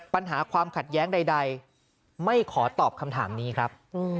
ปัญหาความขัดแย้งใดไม่ขอตอบคำถามนี้ครับ